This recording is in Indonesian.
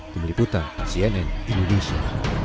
di meliputan cnn indonesia